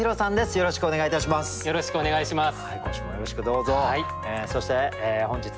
よろしくお願いします。